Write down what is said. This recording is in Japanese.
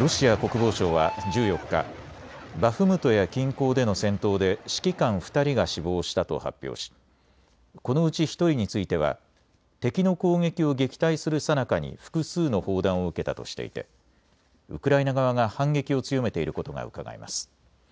ロシア国防省は１４日、バフムトや近郊での戦闘で指揮官２人が死亡したと発表しこのうち１人については敵の攻撃を撃退するさなかに複数の砲弾を受けたとしていてウクライナ側が反撃を強めていることがうかがえます。